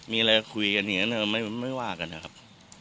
มีอะไรคุยกันอย่างนั้นไม่ว่ากันนะครับ